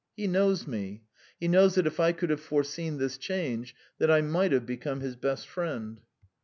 He knows me. He knows that if I could have foreseen this change, then I might have become his best friend."